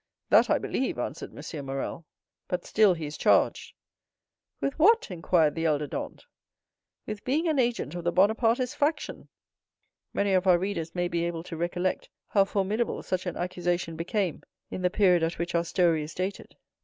"That I believe!" answered M. Morrel; "but still he is charged——" "With what?" inquired the elder Dantès. "With being an agent of the Bonapartist faction!" Many of our readers may be able to recollect how formidable such an accusation became in the period at which our story is dated.